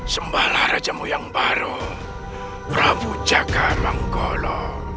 sembala rajamu yang baru prabu jaga manggolo